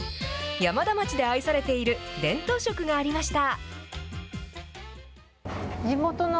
山田町で愛されている伝統食がありました。